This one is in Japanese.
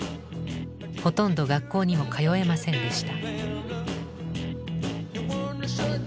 ほとんど学校にも通えませんでした。